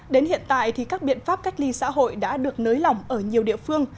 đến hiện tại thì các biện pháp cách ly xã hội đã được nới lỏng ở nhiều địa phương